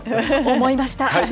思いました。